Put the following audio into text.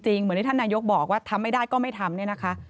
เหมือนที่ท่านนายกบอกว่าทำไม่ได้ก็ไม่ทำเนี่ยนะคะ